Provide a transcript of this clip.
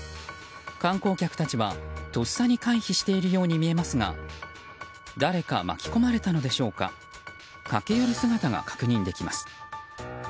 観光客たちは、とっさに回避しているように見えますが誰か巻き込まれたのでしょうか駆け寄る姿が確認できます。